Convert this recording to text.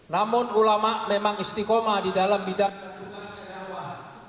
namun ulama memang istikomah di dalam bidang kedua secara luar